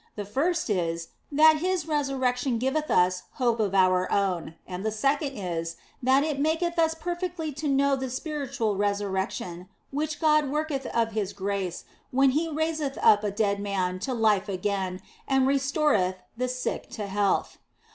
The first is, that His resurrection giveth us hope of our own ; and the second is, that it maketh us perfectly to know the spiritual resurrection which God worketh of His grace when He raiseth up a dead man to life again and restoreth the sick to health.